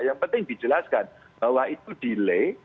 yang penting dijelaskan bahwa itu delay